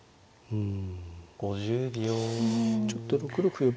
うん。